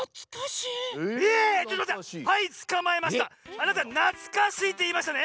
あなた「なつかしい」っていいましたね？